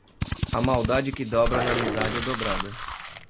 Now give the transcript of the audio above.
A maldade que dobra na amizade é dobrada.